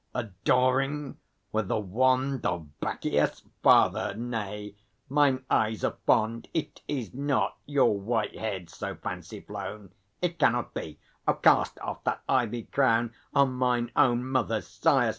adoring with the wand Of Bacchios? Father! Nay, mine eyes are fond; It is not your white heads so fancy flown! It cannot be! Cast off that ivy crown, O mine own mother's sire!